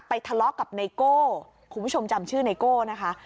ทะเลาะกับไนโก้คุณผู้ชมจำชื่อไนโก้นะคะ